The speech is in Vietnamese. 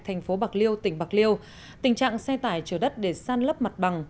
thành phố bạc liêu tỉnh bạc liêu tình trạng xe tải chở đất để san lấp mặt bằng